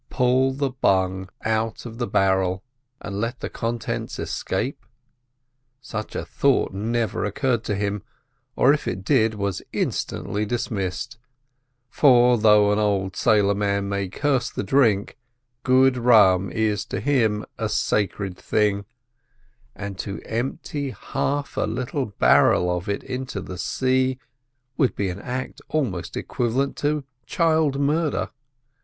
Pull the bung out of the barrel, and let the contents escape? Such a thought never even occurred to him—or, if it did, was instantly dismissed; for, though an old sailor man may curse the drink, good rum is to him a sacred thing; and to empty half a little barrel of it into the sea, would be an act almost equivalent to child murder.